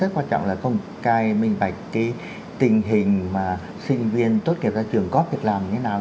rất quan trọng là công khai minh bạch cái tình hình mà sinh viên tốt nghiệp ra trường góp việc làm thế nào